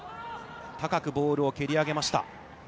高くボールを蹴り上げました。